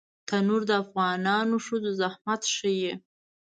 تنور د افغانو ښځو زحمت ښيي